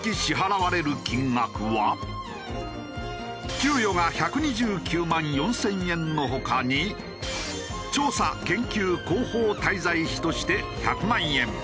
給与が１２９万４０００円の他に調査研究広報滞在費として１００万円。